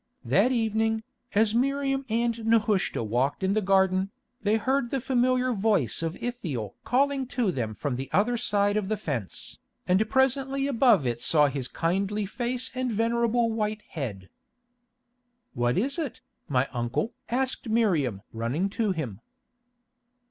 That evening, as Miriam and Nehushta walked in the garden, they heard the familiar voice of Ithiel calling to them from the other side of this fence, and presently above it saw his kindly face and venerable white head. "What is it, my uncle?" asked Miriam running to him.